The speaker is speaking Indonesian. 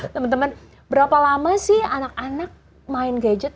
temen temen berapa lama sih anak anak main gadget